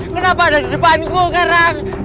kenapa ada di depanku kerang